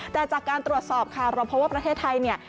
แต่จากการตรวจสอบค่ะเราพบว่าประเทศไทยเนี่ย